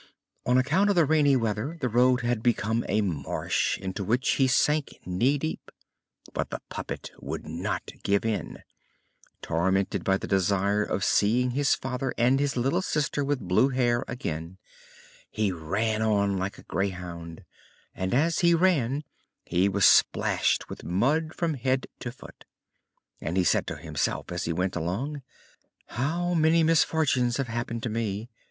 On account of the rainy weather the road had become a marsh into which he sank knee deep. But the puppet would not give in. Tormented by the desire of seeing his father and his little sister with blue hair again, he ran on like a greyhound, and as he ran he was splashed with mud from head to foot. And he said to himself as he went along: "How many misfortunes have happened to me.